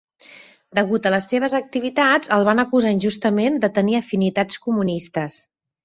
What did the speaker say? Degut a les seves activitats, el van acusar injustament de tenir afinitats comunistes.